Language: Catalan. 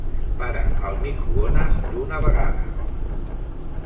Para el microones d'una vegada!